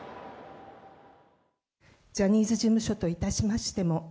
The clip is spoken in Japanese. ジャニーズ事務所といたしましても、